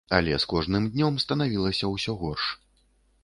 Але з кожным днём станавілася ўсё горш.